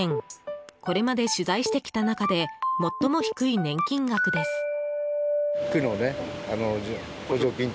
これまで取材してきた中で最も低い年金額です。